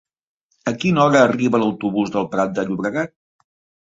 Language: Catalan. A quina hora arriba l'autobús del Prat de Llobregat?